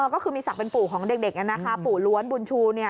ก็คือมีศักดิ์เป็นปู่ของเด็กปู่ล้วนบุญชู